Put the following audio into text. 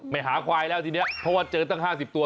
ไม่หาควายแล้วทีนี้เพราะว่าเจอตั้งห้าสิบตัว